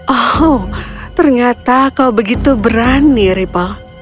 oh ternyata kau begitu berani ribble